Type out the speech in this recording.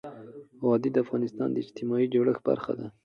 وادي د افغانستان د اجتماعي جوړښت برخه ده.